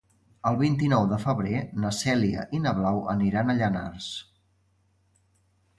El vint-i-nou de febrer na Cèlia i na Blau aniran a Llanars.